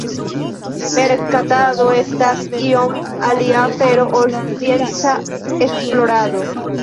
Merkatado estas iom alia afero ol scienca esplorado.